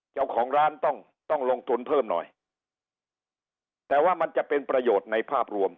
เจ้าของร้านต้องต้องลงทุนเพิ่มหน่อยแต่ว่ามันจะเป็นประโยชน์ในภาพรวม